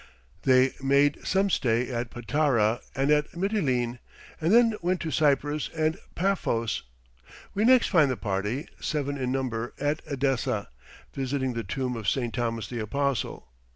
They made some stay at Patara and at Mitylene, and then went to Cyprus and Paphos; we next find the party, seven in number, at Edessa, visiting the tomb of St. Thomas the Apostle.